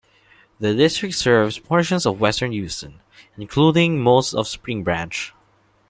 The district serves portions of western Houston, including most of Spring Branch.